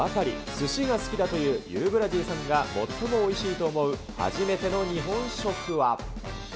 すしが好きだというユーブラジーさんが最もおいしいと思う初めての日本食は。